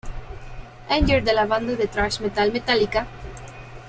Anger de la banda de thrash metal Metallica.